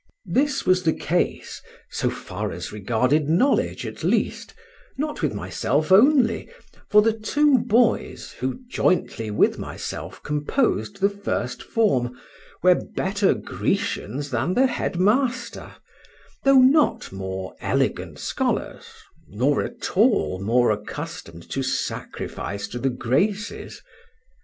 This was the case, so far as regarded knowledge at least, not with myself only, for the two boys, who jointly with myself composed the first form, were better Grecians than the head master, though not more elegant scholars, nor at all more accustomed to sacrifice to the Graces.